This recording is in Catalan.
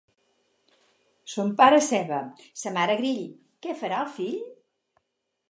Son pare ceba, sa mare grill, què farà el fill?